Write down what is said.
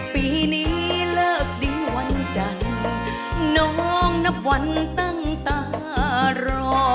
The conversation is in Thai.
ปีนี้เลิกดีวันจันทร์น้องนับวันตั้งตารอ